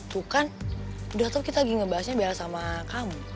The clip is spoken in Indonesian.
tuh kan udah tau kita lagi ngebahasnya biar sama kamu